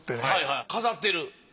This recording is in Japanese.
はいはい飾ってる？